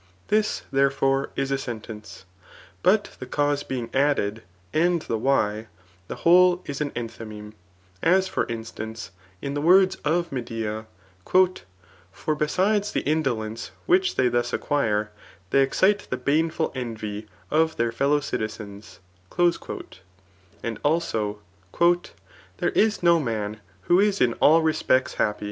This, therefore, is a sen* tence. But the cause bang added, and the why^ the whole is an enthymeme ; as for instance, [In the words of Medea,] *^ For besides the indolence which they thus acquire^ they excite the banrful envy of their fellow dtizenSi'' And also» ^ There is no man who is in all respects ha[^.''